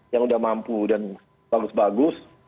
yang udah mampu dan bagus bagus